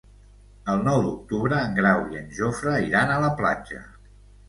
El nou d'octubre en Grau i en Jofre iran a la platja.